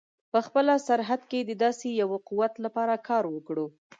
په خپله سرحد کې د داسې یوه قوت لپاره کار وکړو.